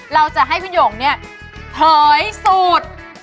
เราจะให้ขึ้นหยงเนี่ยเผยสุด